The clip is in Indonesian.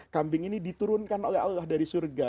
kambing ini diturunkan oleh allah dari surga